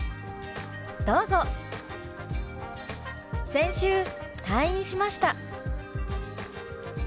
「先週退院しました」。